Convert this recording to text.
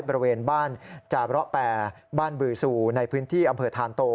บริเวณบ้านจาระแปรบ้านบือซูในพื้นที่อำเภอทานโต